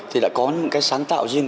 thì đã có một cái sáng tạo riêng